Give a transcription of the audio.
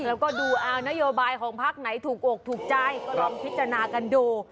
แล้วก็ดูเอานโยบายของพักไหนถูกอกถูกใจก็ลองพิจารณากันดู